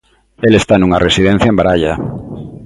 El está nunha residencia en Baralla.